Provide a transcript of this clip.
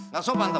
gak sopan tuh